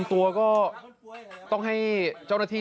สวยสวยสวยสวยสวยสวย